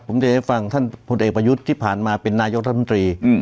ผมจะได้ฟังท่านพลเอกประยุทธ์ที่ผ่านมาเป็นนายกรัฐมนตรี